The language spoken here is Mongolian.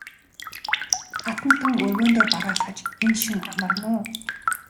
Хатантан өргөөндөө бараалхаж энэ шөнө амарна уу?